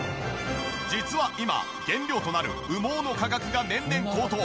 実は今原料となる羽毛の価格が年々高騰。